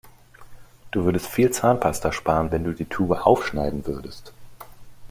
Du würdest viel Zahnpasta sparen, wenn du die Tube aufschneiden würdest.